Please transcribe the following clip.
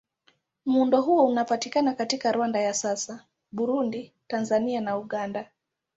Muundo huo unapatikana katika Rwanda ya sasa, Burundi, Tanzania na Uganda.